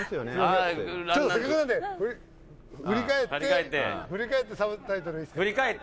ちょっとせっかくなんで振り返って振り返ってサブタイトルいいっすか？振り返って？